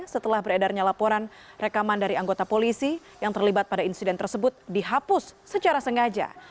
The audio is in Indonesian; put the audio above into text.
setelah beredarnya laporan rekaman dari anggota polisi yang terlibat pada insiden tersebut dihapus secara sengaja